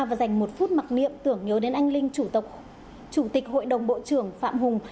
và dành một phút mặc niệm tưởng nhớ đến anh linh chủ tịch hội đồng bộ trưởng phạm hùng